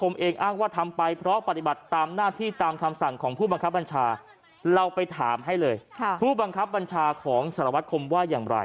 เราไปถามให้เลยผู้บังคับบัญชาของสรวจคมว่าอย่างไร